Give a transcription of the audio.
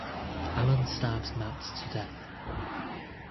Alan stabs Matt to death.